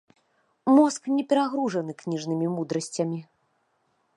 Мозг не перагружаны кніжнымі мудрасцямі.